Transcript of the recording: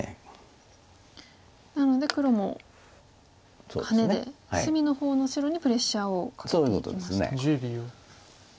なので黒もハネで隅の方の白にプレッシャーをかけていきましたか。